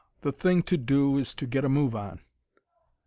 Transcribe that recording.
The thing to do is to get a move on."